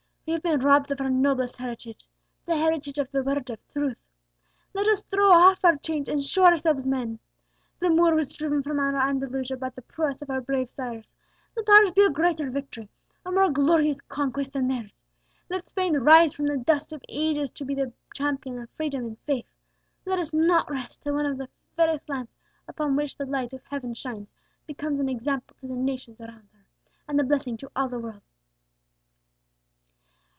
We have been robbed of our noblest heritage the heritage of the Word of Truth. Let us throw off our chains, and show ourselves men! The Moor was driven from our Andalusia by the prowess of our brave sires; let ours be a greater victory, a more glorious conquest than theirs. Let Spain rise from the dust of ages to be the champion of freedom and faith. Let us not rest till one of the fairest lands upon which the light of heaven shines becomes an example to the nations around her, and a blessing to all the world!"